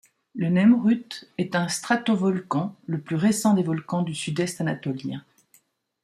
Le Nemrut est un stratovolcan, le plus récent des volcans du sud-est anatolien.